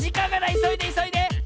いそいでいそいで！